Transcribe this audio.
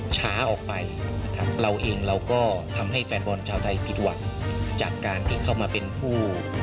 ช้าออกไปนะครับเราเองเราก็ทำให้แฟนบอลชาวไทยผิดหวังจากการที่เข้ามาเป็นผู้